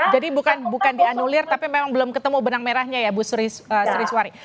jadi bukan dianulir tapi memang belum ketemu benang merahnya ya